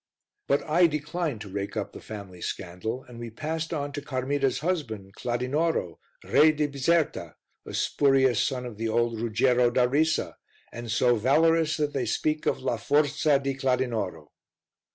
But I declined to rake up the family scandal and we passed on to Carmida's husband, Cladinoro, Re di Bizerta, a spurious son of the old Ruggiero da Risa, and so valorous that they speak of La Forza di Cladinoro.